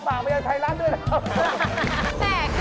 ฝากอะแยรทรัฐเขาก็ด้วยในการพูด